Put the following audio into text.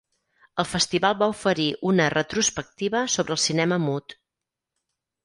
El festival va oferir una retrospectiva sobre el cinema mut.